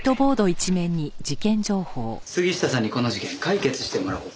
杉下さんにこの事件解決してもらおうと。